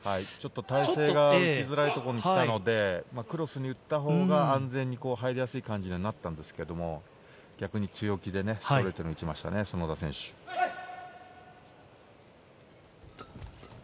体勢が行きづらいところに来たので、クロスに行ったほうが入りやすい感じにはなったんですけど、逆に強気でストレートに園田選手、打ちましたね。